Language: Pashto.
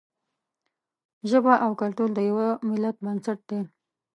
ژبه او کلتور د یوه ملت بنسټ دی.